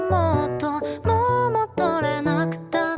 ว่าเราไม่มีใครครับ